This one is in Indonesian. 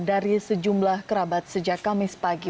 dari sejumlah kerabat sejak kamis pagi